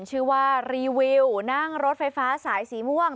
ชื่อว่ารีวิวนั่งรถไฟฟ้าสายสีม่วง